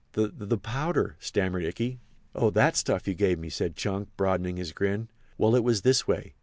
"The—the—powder?" stammered Ikey. "Oh, that stuff you gave me!" said Chunk, broadening his grin; "well, it was this way.